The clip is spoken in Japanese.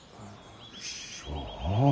そう。